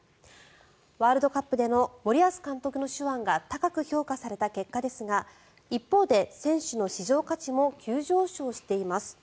ワールドカップでの森保監督の手腕が高く評価された結果ですが一方で選手の市場価値も急上昇しています。